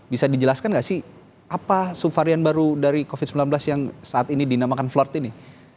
bisa dijelaskan nggak sih apa subvarian baru dari covid sembilan belas yang saat ini dinamakan floord ini